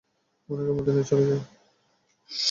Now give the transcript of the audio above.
অনেকে মদীনায় চলে যায়।